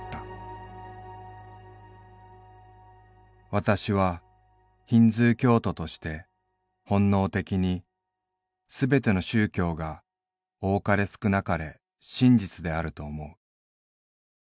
私はヒンズー教徒として本能的にすべての宗教が多かれ少なかれ真実であると思う。